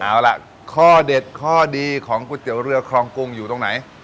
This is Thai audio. เอาล่ะข้อเด็ดข้อดีของก๋วยเตี๋ยวเรือครองกรุงอยู่ตรงไหน